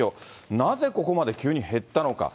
なぜここまで急に減ったのか。